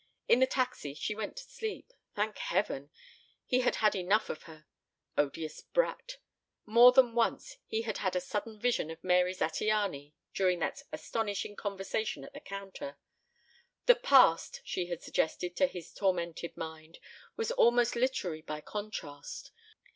In the taxi she went to sleep. Thank Heaven! He had had enough of her. Odious brat. More than once he had had a sudden vision of Mary Zattiany during that astonishing conversation at the counter. The "past" she had suggested to his tormented mind was almost literary by contrast.